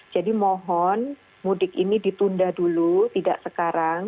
jadi mohon mudik ini ditunda dulu tidak sekarang